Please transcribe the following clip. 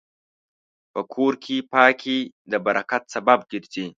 په کور کې پاکي د برکت سبب ګرځي.